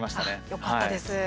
よかったです。